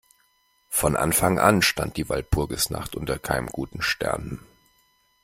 Von Anfang an stand die Walpurgisnacht unter keinem guten Stern.